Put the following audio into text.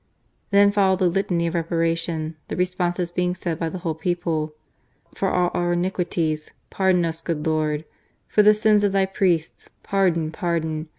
Then followed the Litany of Reparation, the responses being said by the whole people. * For all our iniquities." * Pardon us, good Lord.'' ' For the sins of Thy priests." 'Pardon ! pardon